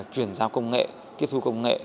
chuyển giao công nghệ tiếp thu công nghệ